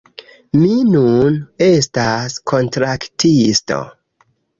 Mi nun estas kontraktisto